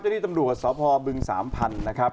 เจ้าที่ตำดูกกับสาวพอบึงสามพันธุ์นะครับ